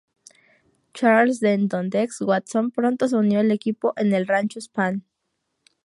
Charles Denton "Tex" Watson pronto se unió al grupo en el Rancho Spahn.